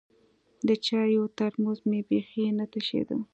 د چايو ترموز مې بيخي نه تشېده.